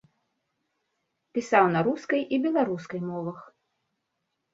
Пісаў на рускай і беларускай мовах.